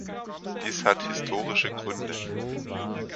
Dies hat historische Gründe.